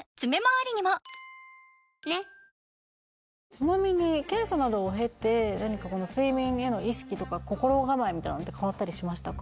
ちなみに検査などを経て何か睡眠への意識とか心構えみたいなのって変わったりしましたか？